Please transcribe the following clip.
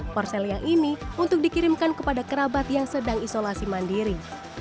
porsel yang ini untuk dikirimkan kepada kerabat yang sedang isolasi mandiri